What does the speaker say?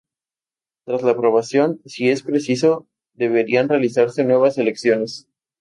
Tras la aprobación, si es preciso, deberían realizarse nuevas elecciones.